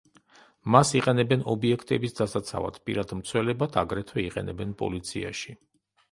მას იყენებენ ობიექტების დასაცავად, პირად მცველებად, აგრეთვე იყენებენ პოლიციაში.